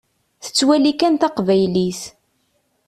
Tettwali kan taqbaylit.